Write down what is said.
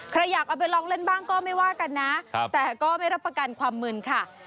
ใครอยากเอาไปลองเล่นบ้างก็ไม่ว่ากันนะแต่ก็ไม่รับประกันความมืนค่ะ